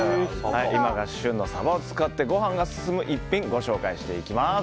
今が旬のサバを使ってご飯が進む一品ご紹介していきます。